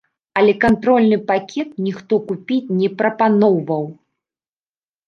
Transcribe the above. Але кантрольны пакет ніхто купіць не прапаноўваў.